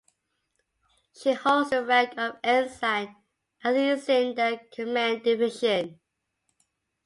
He holds the rank of Ensign, and is in the command division.